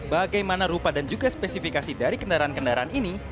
bagaimana rupa dan juga spesifikasi dari kendaraan kendaraan ini